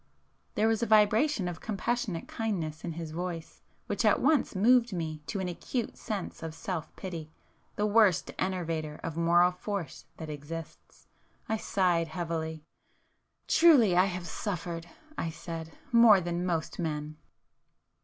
There was a vibration of compassionate kindness in his voice which at once moved me to an acute sense of self pity, the worst enervator of moral force that exists. I sighed heavily. "Truly I have suffered"—I said—"More than most men!"